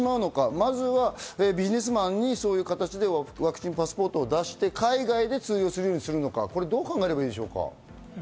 まずはビジネスマンにそういう形でワクチンパスポートを出して海外で通用するようにするのかどう考えればいいんでしょうか。